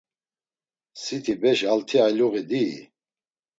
Siti beş alti ayluği diyi.